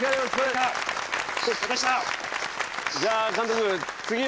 じゃあ監督次の。